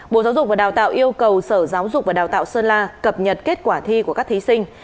bộ giáo dục và đào tạo yêu cầu sở giáo dục và đào tạo sơn la cập nhật kết quả thi của các thí sinh